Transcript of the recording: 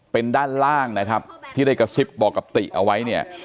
เป็นด้านล่างที่ได้กระซิบบอกกับติเอาไว้